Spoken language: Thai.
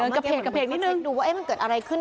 เดินกระเพลงกระเพลงนิดหนึ่งดูว่าเอ๊ะมันเกิดอะไรขึ้น